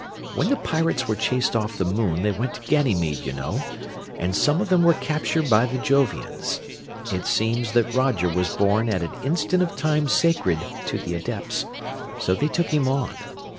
When the pirates were chased off the moon they went to Ganymede, you know, and some of them were captured by the Jovians. It seems that Roger was born at an instant of time sacred to the adepts, so they took him on.